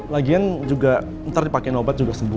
lagian juga ntar dipakaiin obat juga sembuh